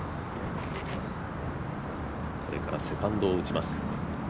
これからセカンドを打ちます。